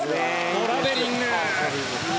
トラベリング。